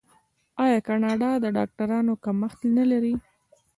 آیا کاناډا د ډاکټرانو کمښت نلري؟